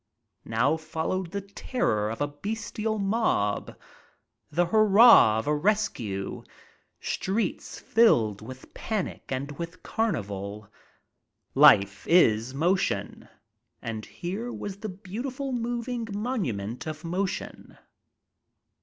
Now followed the terror of a bestial niol), the hurrah of a retOUe, filled with panic and with carnival. Life is motion and hero \\;is the beautiful moving monument of motion.